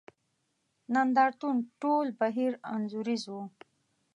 نند ارتون ټول بهیر انځوریز وو.